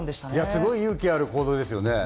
すごく勇気ある行動ですよね。